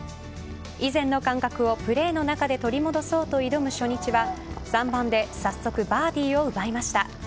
以前の感覚をプレーの中で取り戻そうと挑む初日は３番で早速、バーディーを奪いました。